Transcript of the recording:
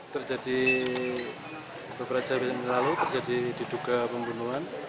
terjadi beberapa jam lalu terjadi diduga pembunuhan